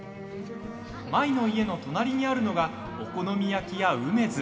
舞の家の隣にあるのがお好み焼き屋うめづ。